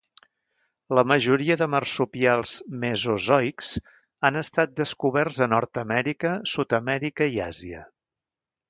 La majoria de marsupials mesozoics han estat descoberts a Nord-amèrica, Sud-amèrica i Àsia.